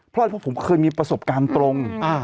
เพราะผมเคยมีประสบการณ์ตรง